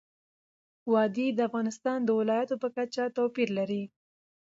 وادي د افغانستان د ولایاتو په کچه توپیر لري.